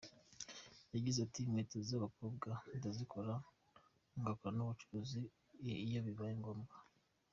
Yagize ati “Inkweto z’ abakobwa ndazikora ngakora n’ ubucuruzi iyo bibaye ngombwa.